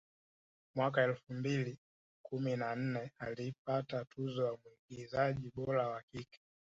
Mwaka elfu mbili kumi na nne alipata tuzo ya mwigizaji bora wa kike